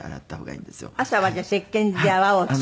朝はじゃあせっけんで泡を作って。